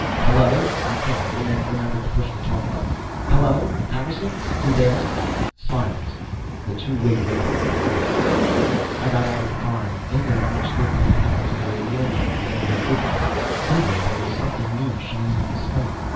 "Hello?" I cried, and then remembered to push the talk button. "Hello? Harrison, you there?" Silence. The two way radio was dead. I got out of the car; and maybe I understood what had happened to the radio and maybe I didn't. Anyway, there was something new shining in the sky.